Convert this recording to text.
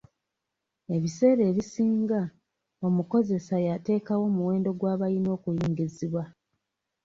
Ebiseera ebisinga, omukozesa y'ateekawo omuwendo gw'abayina okuyingizibwa.